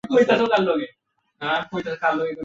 তো, এই জায়গাটা আসলে কোথায়?